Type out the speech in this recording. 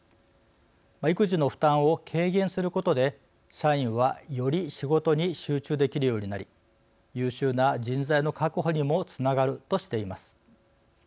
育児の負担を軽減することで社員はより仕事に集中できるようになり優秀な人材の確保にもつながるとしています。